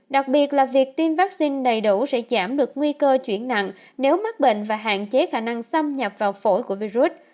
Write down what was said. đặc biệt là việc tiêm vaccine đầy đủ sẽ giảm được nguy cơ chuyển nặng nếu mắc bệnh và hạn chế khả năng xâm nhập vào phổi của virus